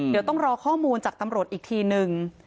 เดี๋ยวต้องรอข้อมูลจากตำรวจอีกทีนึง